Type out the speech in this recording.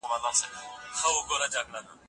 د څيړني لپاره کوم ماخذونه پکار دي؟